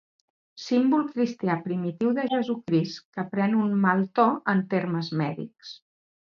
Símbol cristià primitiu de Jesucrist que pren un mal to en termes mèdics.